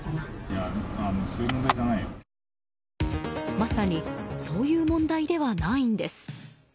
まさにそういう問題ではないんです。